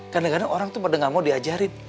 kadang kadang orang tuh pada nggak mau diajarin